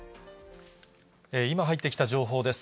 今、入ってきた情報です。